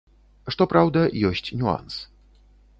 Што праўда, ёсць нюанс.